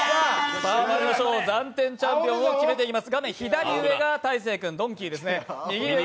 暫定チャンピオンを決めていきます。